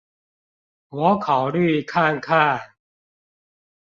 我考慮看看